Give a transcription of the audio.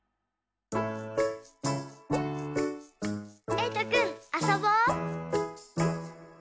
えいとくんあそぼ！